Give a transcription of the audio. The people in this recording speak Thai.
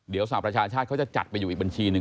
เดี๋ยวสหประชาชาติเขาจะจัดไปอยู่อีกบัญชีหนึ่ง